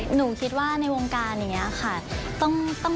หนูคิดว่าในวงการอย่างนี้ค่ะ